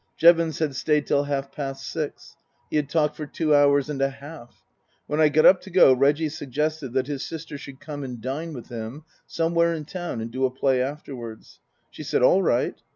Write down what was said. Jevons had stayed till half past six. He had talked for two hours and a half. When I got up to go, Reggie suggested that his sister should come and dine with him somewhere in town and do a play afterwards. She said, All right.